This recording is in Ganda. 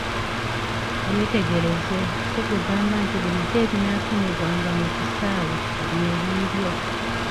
Weetegereze si kugamba nti bulijjo ebinaafunibwanga mu kisaawe byebiibyo.